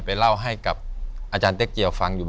ไปเล่าให้กับอาจารย์เต็กเจียวฟังอยู่บ่อย